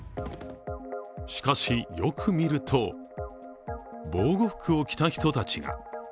しかし、よく見ると防護服を着た人たちが。